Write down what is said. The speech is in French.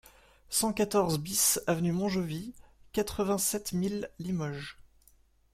cent quatorze BIS avenue Montjovis, quatre-vingt-sept mille Limoges